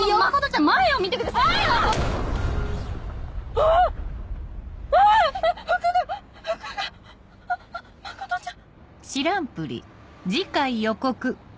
あっあっ真ちゃん。